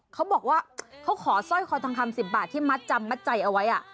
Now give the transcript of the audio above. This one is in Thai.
เขาบอกว่าเขาขอสร้อยคอทองคำ๑๐บาทที่มัดจำมัดใจเอาไว้